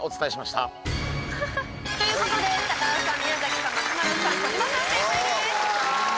ということで高田さん宮崎さん、松丸さん、児嶋さん正解です。